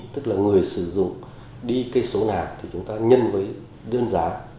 tức là người sử dụng đi cây số nào thì chúng ta nhân với đơn giá